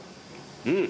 うん！